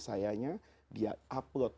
sayangnya dia upload